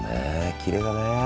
きれいだね。